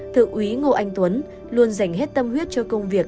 thượng úy ngô anh tuấn đã được đồng đội triệt phá nhiều vụ án có tính chất nghiệp vụ